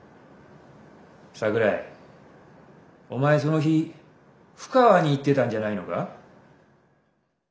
桜井お前その日布川に行ってたんじゃないのか？